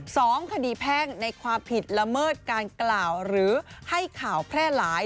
สองคดีแพ่งในความผิดละเมิดการกล่าวหรือให้ข่าวแพร่หลาย